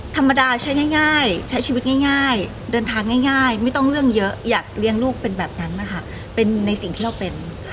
ธรรมดาใช้ง่ายใช้ชีวิตง่ายเดินทางง่ายไม่ต้องเรื่องเยอะอยากเลี้ยงลูกเป็นแบบนั้นนะคะเป็นในสิ่งที่เราเป็น